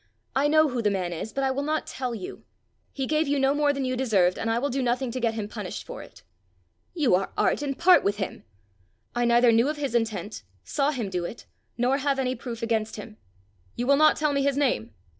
I know who the man is, but I will not tell you. He gave you no more than you deserved, and I will do nothing to get him punished for it." "You are art and part with him!" "I neither knew of his intent, saw him do it, nor have any proof against him." "You will not tell me his name?"